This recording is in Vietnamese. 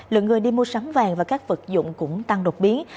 lượng người đi mua sắm vàng và các vật dụng cũng tăng đột biến